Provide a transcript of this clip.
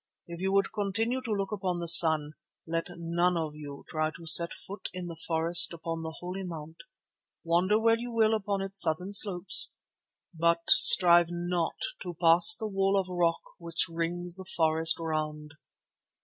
If you would continue to look upon the sun, let none of you try to set foot in the forest upon the Holy Mount. Wander where you will upon its southern slopes, but strive not to pass the wall of rock which rings the forest round."